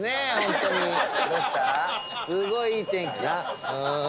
すごいいい天気。